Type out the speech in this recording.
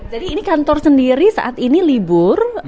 jadi ini kantor sendiri saat ini libur